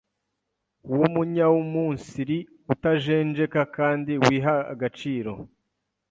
w’umunyaumunsiri, utajenjeka kandi wiha agaciro;